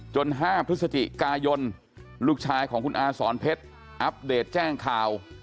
๕พฤศจิกายนลูกชายของคุณอาสอนเพชรอัปเดตแจ้งข่าว